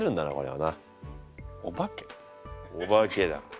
おばけだ。